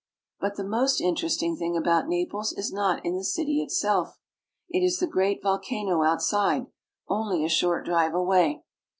But the most interesting thing about Naples is not in the city itself. It is the great volcano outside, only a short drive away.